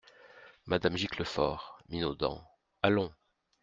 Madame Giclefort, minaudant. — Allons !